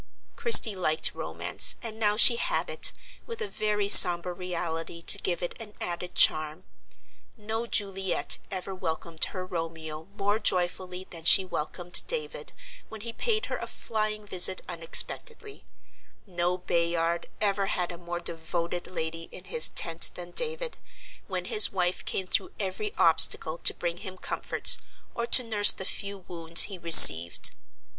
Christie liked romance, and now she had it, with a very sombre reality to give it an added charm. No Juliet ever welcomed her Romeo more joyfully than she welcomed David when he paid her a flying visit unexpectedly; no Bayard ever had a more devoted lady in his tent than David, when his wife came through every obstacle to bring him comforts or to nurse the few wounds he received.